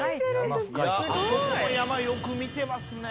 すごい！あそこの山よく見てますね。